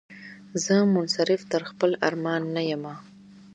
زه منصرف تر خپل ارمان نه یمه